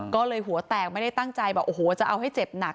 ก็เลยหัวแตกไม่ได้ตั้งใจแบบโอ้โหจะเอาให้เจ็บหนัก